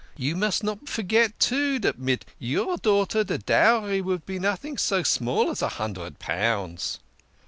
You must not forget, too, dat mid your daughter de dowry vould be noting so small as a hundred pounds."